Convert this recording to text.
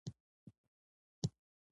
هغه له ځانه لرې شو.